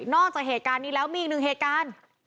จากเหตุการณ์นี้แล้วมีอีกหนึ่งเหตุการณ์